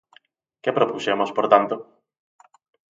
¿Que propuxemos, por tanto?